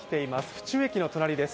府中駅の隣です。